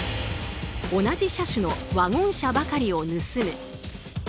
同じ車種のワゴン車ばかりを盗む。